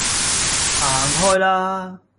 行開啦